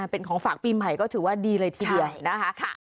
เป็นของฝากปีใหม่ก็ถือว่าดีเลยทีเดียวนะคะ